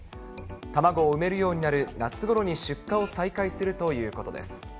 卵を産めるようになる夏ごろに出荷を再開するということです。